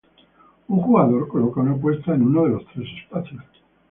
Un jugador coloca una apuesta en uno de los tres espacios.